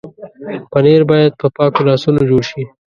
پنېر باید په پاکو لاسونو جوړ شي.